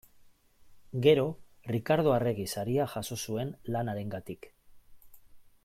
Gero Rikardo Arregi Saria jaso zuen lan harengatik.